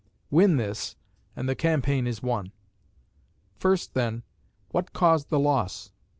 Win this and the campaign is won. First then, what caused the loss?